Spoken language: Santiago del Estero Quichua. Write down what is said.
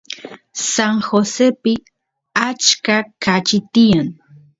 San Josepi achka kachi tiyan